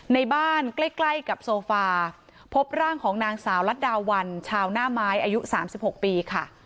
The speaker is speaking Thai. ในบ้านใกล้กับโซฟาพบร่างของนางสาวลัดดาวันชาวหน้าไม้อายุ๓๖ปีค่ะ